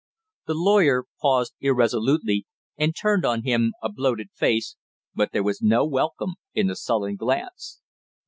The lawyer paused irresolutely and turned on him a bloated face, but there was no welcome in the sullen glance.